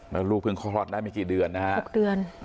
แล้วลูกเพิ่งคลอดได้ไม่กี่เดือนนะฮะ๖เดือน